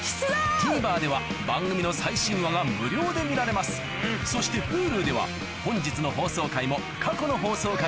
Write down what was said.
ＴＶｅｒでは番組の最新話が無料で見られますそしてＨｕｌｕでは本日の放送回も過去の放送回もいつでもどこでも見られます